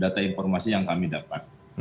data informasi yang kami dapat